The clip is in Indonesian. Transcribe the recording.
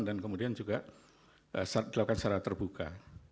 dan kemudian juga dilakukan secara terbuka